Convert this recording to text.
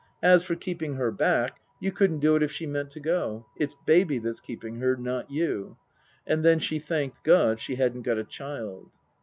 As for keeping her back, you couldn't do it if she meant to go. It's Baby that's keeping her, not you." And then she thanked God she hadn't got a child.